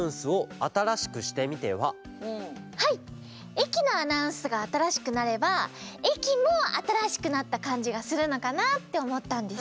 えきのアナウンスがあたらしくなればえきもあたらしくなったかんじがするのかなっておもったんです。